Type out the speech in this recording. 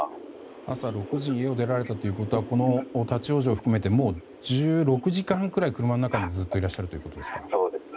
朝６時に家を出られたということはこの立ち往生を含めてもう１６時間くらい車の中にずっといらっしゃるということですか。